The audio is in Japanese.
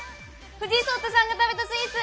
藤井聡太さんが食べたスイーツ！